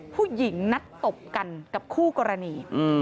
ผู้หญิงนัดตบกันกับคู่กรณี